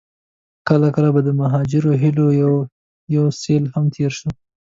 کله کله به د مهاجرو هيليو يو يو سيل هم تېر شو.